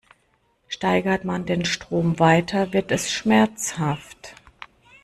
Steigert man den Strom weiter, wird es schmerzhaft.